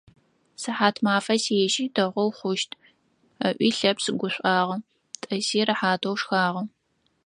Сыхьатмафэ сежьи, дэгъоу хъущт, - ыӏуи Лъэпшъ гушӏуагъэ, тӏыси рэхьатэу шхагъэ.